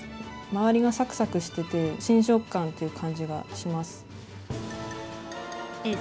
周りがサクサクしてて新食感という感じがします。